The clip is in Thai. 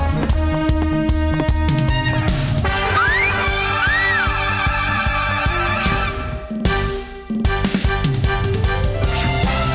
แม่บ้านประจัญบาล